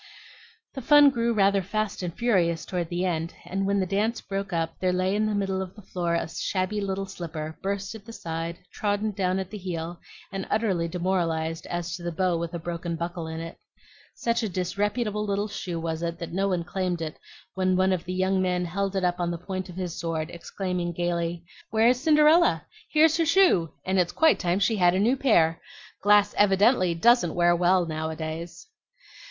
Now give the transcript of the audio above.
The fun grew rather fast and furious toward the end, and when the dance broke up there lay in the middle of the floor a shabby little slipper, burst at the side, trodden down at the heel, and utterly demoralized as to the bow with a broken buckle in it. Such a disreputable little shoe was it that no one claimed it when one of the young men held it up on the point of his sword, exclaiming gayly, "Where is Cinderella? Here's her shoe, and it's quite time she had a new pair. Glass evidently doesn't wear well now a days."